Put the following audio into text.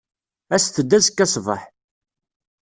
Aset-d azekka ṣṣbeḥ.